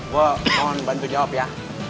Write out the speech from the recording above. gue mohon bantu jawab ya